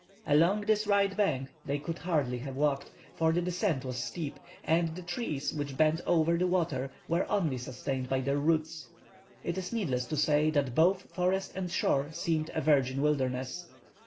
Along this right bank they could hardly have walked, for the descent was steep, and the trees which bent over the water were only sustained by their roots. It is needless to say that both forest and shore seemed a virgin wilderness.